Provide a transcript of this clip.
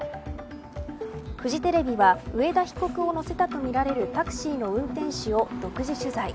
フジテレビは上田被告を乗せたとみられるタクシーの運転手を独自取材。